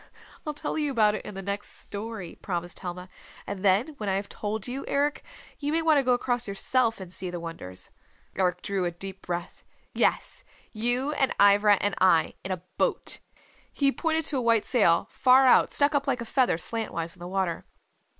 "I'll tell you about it in the next story," promised Helma. "And then when I have told you, Eric, you may want to go across yourself and see the wonders." Eric drew a deep breath. "Yes, you and Ivra and I. In a boat." He pointed to a white sail far out stuck up like a feather slantwise in the water.